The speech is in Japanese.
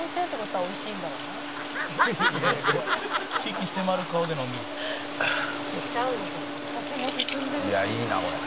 「いやいいなこれ」